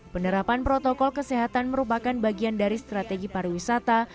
penerapan protokol kesehatan merupakan bagian dari strategi pariwisata